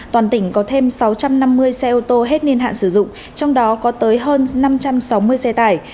toàn tỉnh có thêm sáu trăm năm mươi xe ô tô hết niên hạn sử dụng trong đó có tới hơn năm trăm sáu mươi xe tải